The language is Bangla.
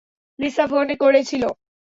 লিসা ফোন করেছিল।